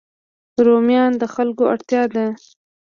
رومیان د خلکو اړتیا ده